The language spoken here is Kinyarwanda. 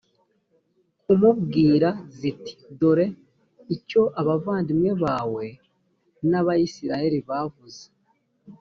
kumubwira ziti «dore icyo abavandimwe bawe b’abayisraheli bavuze.